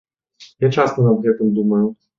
Я часта над гэтым думаю.